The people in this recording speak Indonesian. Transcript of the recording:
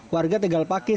warga tegal pake